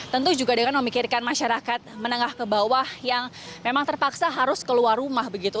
tentu juga dengan memikirkan masyarakat menengah ke bawah yang memang terpaksa harus keluar rumah begitu